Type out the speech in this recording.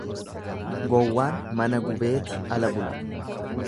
Gowwaan mana gubeeti ala bula.